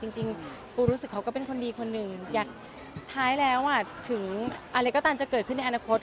จริงปูรู้สึกเขาก็เป็นคนดีคนหนึ่งอยากท้ายแล้วถึงอะไรก็ตามจะเกิดขึ้นในอนาคต